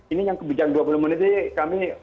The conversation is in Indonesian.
ini yang kebijak dua puluh menit itu kami